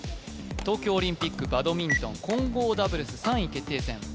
東京オリンピックバドミントン混合ダブルス３位決定戦